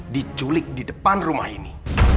diculik di depan rumah ini